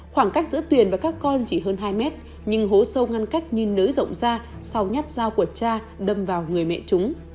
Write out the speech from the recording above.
khoảng cách giữa tuyền và các con chỉ hơn hai mét nhưng hố sâu ngăn cách như nới rộng ra sau nhát dao của cha đâm vào người mẹ chúng